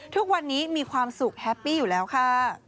ทุกวันนี้มีความสุขแฮปปี้อยู่แล้วค่ะ